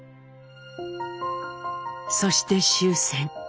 そして終戦。